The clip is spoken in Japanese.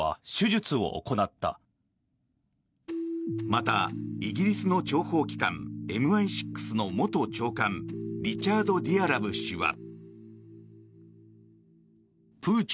また、イギリスの諜報機関ＭＩ６の元長官リチャード・ディアラブ氏は。